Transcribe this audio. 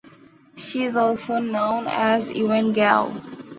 She is also known as Yuan Gao.